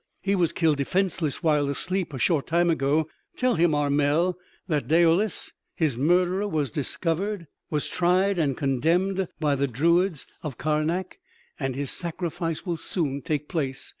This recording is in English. He was killed defenceless, while asleep, a short time ago. Tell him, Armel, that Daoulas, his murderer, was discovered, was tried and condemned by the druids of Karnak and his sacrifice will soon take place.